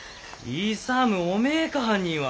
勇おめえか犯人は。